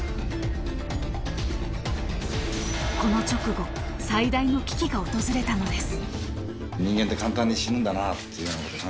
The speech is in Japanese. ［この直後最大の危機が訪れたのです］